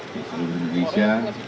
di seluruh indonesia